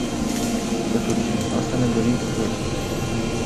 Cel puțin, asta ne dorim cu toții.